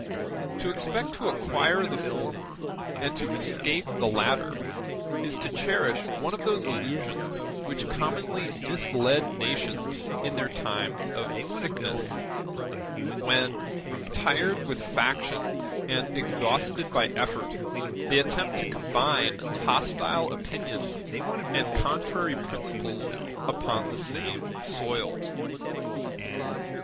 To expect to acquire the former and to escape the latter is to cherish one of those illusions which commonly mislead nations in their times of sickness, when, tired with faction and exhausted by effort, they attempt to combine hostile opinions and contrary principles upon the same soil.